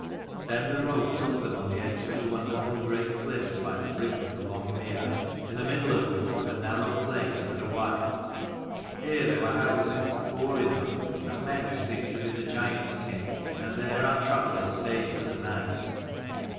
Then the road took them on the edge of wonderful great cliffs by the brink of a long mere, in the middle of which was a narrow place, and a wath. Here there were houses, poor enough, of men who seemed to be the giant's kin, and there our travellers stayed for the night.